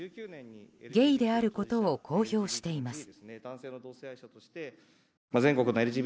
ゲイであることを公表しています。